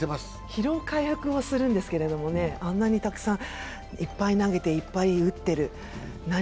疲労回復をするんですけれども、あんなにたくさんいっぱい投げていっぱい打ってる。